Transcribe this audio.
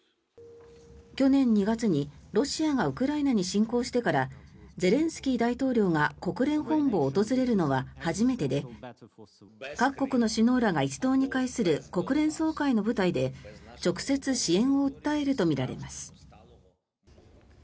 去年２月にロシアがウクライナに侵攻してからゼレンスキー大統領が国連本部を訪れるのは初めてで各国の首脳らが一堂に会する国連総会の舞台で直接、支援を訴えるとみられます。